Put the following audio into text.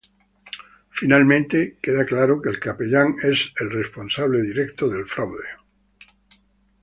Finalmente queda claro que el capellán es responsable directo del fraude.